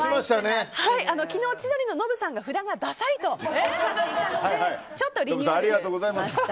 昨日、千鳥のノブさんが札がダサいとおっしゃっていたのでちょっとリニューアルしました。